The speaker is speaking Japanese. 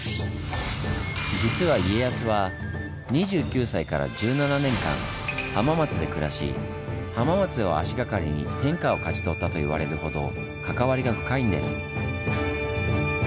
実は家康は２９歳から１７年間浜松で暮らし浜松を足がかりに天下を勝ち取ったと言われるほど関わりが深いんです。